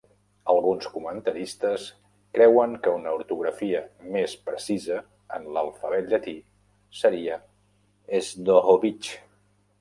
Alguns comentaristes creuen que una ortografia més precisa en l'alfabet llatí seria "Sdohobich".